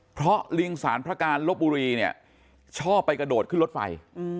เพราะลิงสารพระการลบบุรีเนี่ยชอบไปกระโดดขึ้นรถไฟ